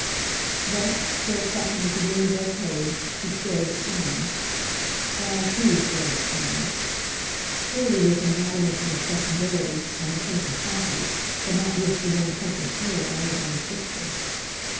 Thus, still plucking at the green brocade, she stared at Soames. Val, too, stared at Soames. Surely this embodiment of respectability and the sense of property could not wish to bring such a slur on his own sister!